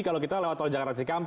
kalau kita lewat tol jakarta cikampek